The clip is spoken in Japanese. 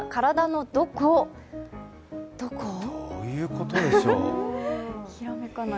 どういうことでしょう？